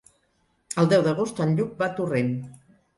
El deu d'agost en Lluc va a Torrent.